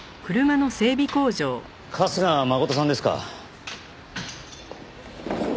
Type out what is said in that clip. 春日誠さんですか？